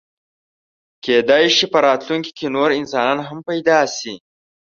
کېدی شي په راتلونکي کې نور انسانان هم پیدا شي.